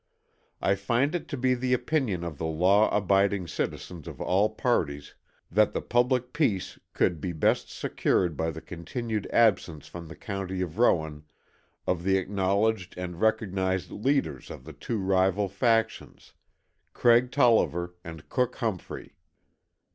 I find it to be the opinion of the law abiding citizens of all parties that the public peace could be best secured by the continued absence from the county of Rowan of the acknowledged and recognized leaders of the two rival factions Craig Tolliver and Cook Humphrey.